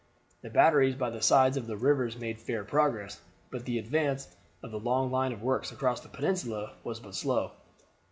The batteries by the sides of the rivers made fair progress, but the advance of the long line of works across the peninsula was but slow.